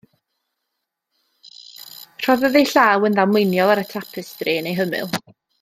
Rhoddodd ei llaw yn ddamweiniol ar y tapestri yn ei hymyl.